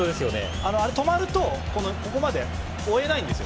あれ、止まるとここまで追えないんですよ。